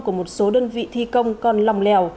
của một số đơn vị thi công còn lòng lèo